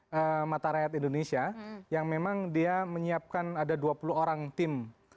di mata rakyat indonesia yang memang dia menyiapkan ada dua puluh orang tim